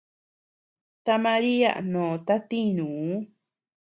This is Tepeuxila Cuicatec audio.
Ta María nòta tinuu.